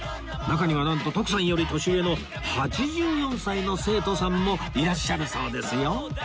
中にはなんと徳さんより年上の８４歳の生徒さんもいらっしゃるそうですよ